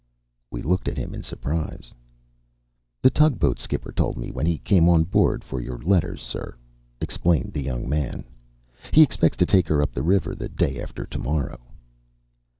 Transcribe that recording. We looked at him in surprise. "The tugboat skipper told me when he came on board for your letters, sir," explained the young man. "He expects to take her up the river the day after tomorrow."